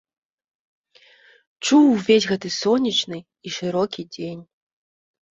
Чуў увесь гэты сонечны і шырокі дзень.